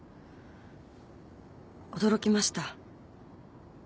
驚きました。